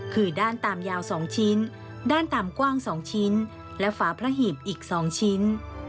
คือด้านตามยาว๒ชิ้นด้านตามกว้าง๒ชิ้นและฝาพระหีบอีก๒ชิ้น